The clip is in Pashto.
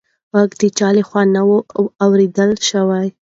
غږ د چا لخوا نه و اورېدل شوې.